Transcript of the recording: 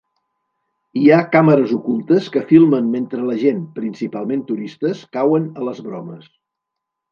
Hi ha càmeres ocultes que filmen mentre la gent, principalment turistes, cauen a les bromes.